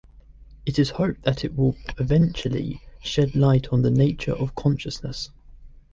It is hoped that it will eventually shed light on the nature of consciousness.